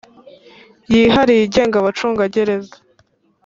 yihariye igenga abacungagereza